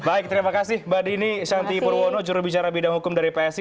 baik terima kasih mbak dini shanti purwono jurubicara bidang hukum dari psi